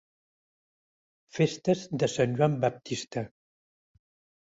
Festes de Sant Joan Baptista.